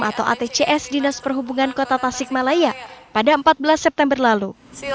atau atcs dinas perhubungan kota tasikmalaya pada empat belas september lalu